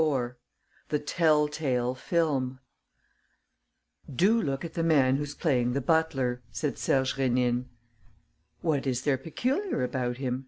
IV THE TELL TALE FILM "Do look at the man who's playing the butler," said Serge Rénine. "What is there peculiar about him?"